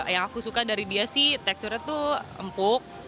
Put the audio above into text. yang aku suka dari dia sih teksturnya tuh empuk